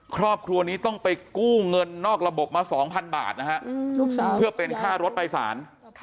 ครอบครัวนี้ต้องไปกู้เงินนอกระบบมา๒๐๐บาทนะฮะเพื่อเป็นค่ารถไปสาร